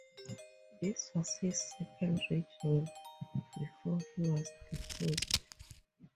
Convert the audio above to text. This was his second reign before he was deposed.